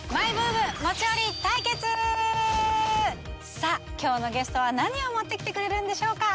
さぁ今日のゲストは何を持ってきてくれるんでしょうか？